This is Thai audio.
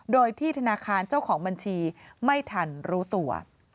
โดยที่ธนาคารเจ้าของบัญชีไม่ทันรู้ตัว